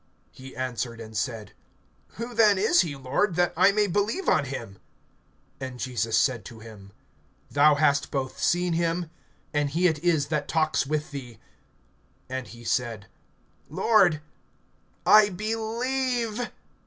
(36)He answered and said: Who then is he, Lord, that I may believe on him? (37)And Jesus said to him: Thou hast both seen him, and he it is that talks with thee. (38)And he said: Lord, I believe.